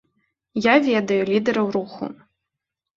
Я ведаю лідэраў руху.